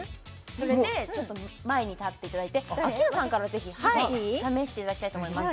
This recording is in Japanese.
それでちょっと前に立っていただいてアッキーナさんからぜひ試していただきたいと思います